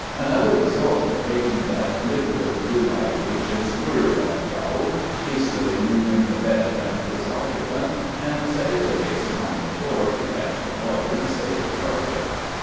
"Another result of taking that liquid blue eyed agent's word," I growled, hastily moving the bed and its occupant, and setting the basin on the floor to catch the water and save the carpet.